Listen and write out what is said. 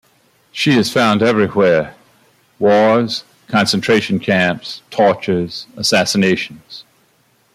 She is found everywhere: wars, concentration camps, tortures, assassinations.